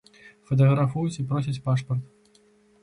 Фатаграфуюць і просяць пашпарт.